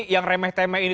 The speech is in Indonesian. yang remeh temeh ini